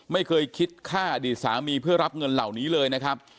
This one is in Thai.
ไม่เคยคิดค่าอดีตสามีเพื่อรับเงินเหล่านี้เลยนะครับ